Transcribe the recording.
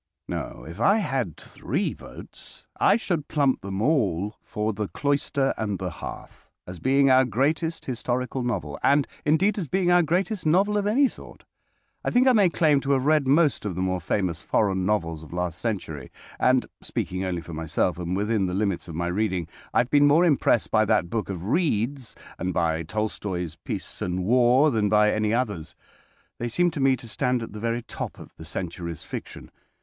No, if I had three votes, I should plump them all for "The Cloister and the Hearth," as being our greatest historical novel, and, indeed, as being our greatest novel of any sort. I think I may claim to have read most of the more famous foreign novels of last century, and (speaking only for myself and within the limits of my reading) I have been more impressed by that book of Reade's and by Tolstoi's "Peace and War" than by any others. They seem to me to stand at the very top of the century's fiction.